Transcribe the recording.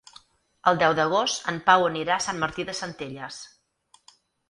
El deu d'agost en Pau anirà a Sant Martí de Centelles.